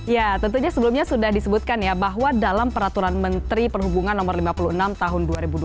ya tentunya sebelumnya sudah disebutkan ya bahwa dalam peraturan menteri perhubungan no lima puluh enam tahun dua ribu dua puluh